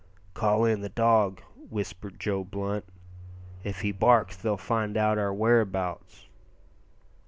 "Call in the dog," whispered Joe Blunt; "if he barks they'll find out our whereabouts."